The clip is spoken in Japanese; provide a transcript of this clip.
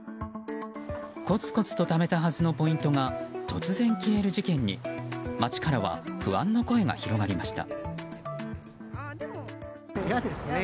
コツコツとためたはずのポイントが突然消える事件に街からは不安の声が広がりました。